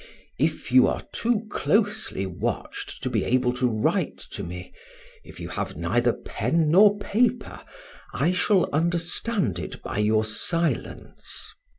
If you are too closely watched to be able to write to me, if you have neither pen nor paper, I shall understand it by your silence.